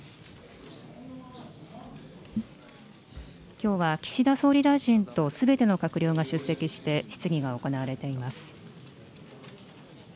きょうは岸田総理大臣とすべての閣僚が出席して質疑が行われています。